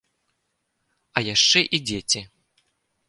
А яшчэ і дзеці.